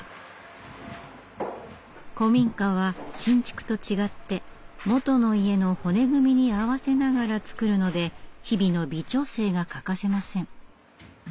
古民家は新築と違って元の家の骨組みに合わせながら造るので日々の微調整が欠かせません。